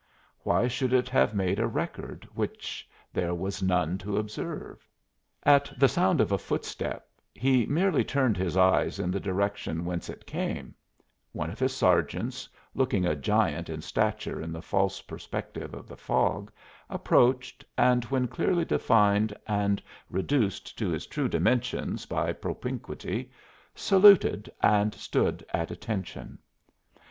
Why should it have made a record which there was none to observe? At the sound of a footstep he merely turned his eyes in the direction whence it came; one of his sergeants, looking a giant in stature in the false perspective of the fog, approached, and when clearly defined and reduced to his true dimensions by propinquity, saluted and stood at attention.